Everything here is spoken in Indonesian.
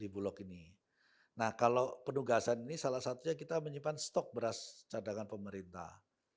bulog ini nah kalau penugasan ini salah satunya kita menyimpan stok beras cadangan pemerintah